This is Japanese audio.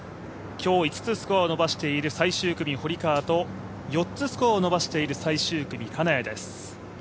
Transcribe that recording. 今日５つスコアを伸ばしている最終組、堀川と４つスコアを伸ばしている最終組、金谷です。